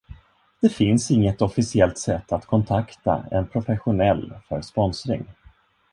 Det finns inget officiellt sätt att kontakta en professionell för sponsring.